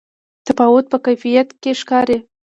تفاوت په کیفیت کې ښکاري.